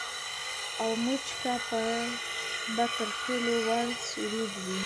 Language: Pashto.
او مچکه به تر ټولو وُړ سرود وي